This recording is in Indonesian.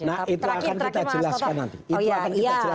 nah itu akan kita jelaskan nanti